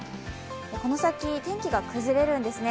この先、天気が崩れるんですね。